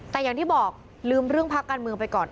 แต่อย่างที่บอกลืมเรื่องพักการเมืองไปก่อน